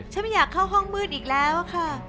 ไม่อยากเข้าห้องมืดอีกแล้วค่ะ